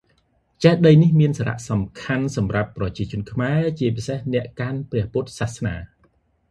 ចេតិយនេះមានសារៈសំខាន់សម្រាប់ប្រជាជនខ្មែរ ជាពិសេសអ្នកកាន់ព្រះពុទ្ធសាសនា។